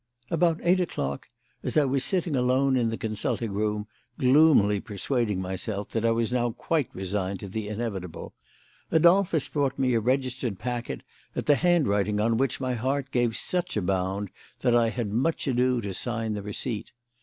About eight o'clock, as I was sitting alone in the consulting room, gloomily persuading myself that I was now quite resigned to the inevitable, Adolphus brought me a registered packet, at the handwriting on which my heart gave such a bound that I had much ado to sign the receipt.